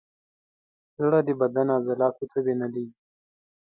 زړه د بدن عضلاتو ته وینه لیږي.